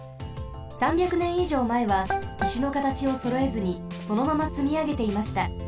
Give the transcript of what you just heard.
３００年以上前はいしのかたちをそろえずにそのままつみあげていました。